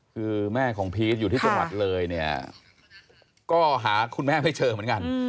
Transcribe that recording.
คือแม่ของพีชอยู่ที่จังหวัดเลยเนี่ยก็หาคุณแม่ไม่เจอเหมือนกัน